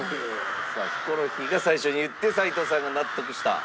ヒコロヒーが最初に言って齊藤さんが納得した。